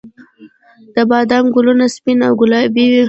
د بادام ګلونه سپین او ګلابي وي